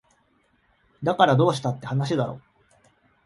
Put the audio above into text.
だからどうしたって話だろ